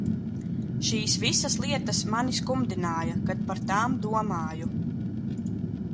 Šīs visas lietas mani skumdināja, kad par tām domāju.